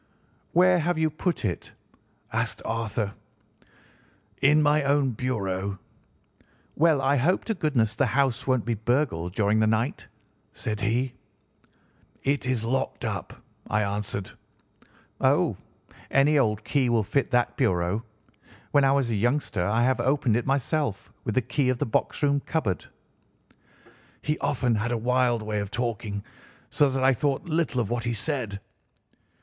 "'Where have you put it?' asked Arthur. "'In my own bureau.' "'Well, I hope to goodness the house won't be burgled during the night.' said he. "'It is locked up,' I answered. "'Oh, any old key will fit that bureau. When I was a youngster I have opened it myself with the key of the box room cupboard.' "He often had a wild way of talking, so that I thought little of what he said.